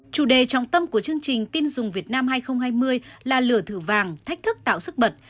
chủ đề trọng tâm của chương trình tin dùng việt nam hai nghìn hai mươi là lửa thử vàng thách thức tạo sức bật